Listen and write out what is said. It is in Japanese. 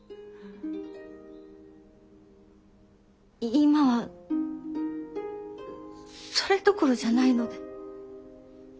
今はそれどころじゃないので。